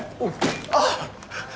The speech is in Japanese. あっ！